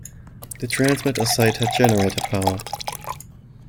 The transmitter site had generator power.